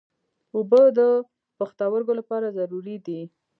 اوبه د پښتورګو لپاره ضروري دي.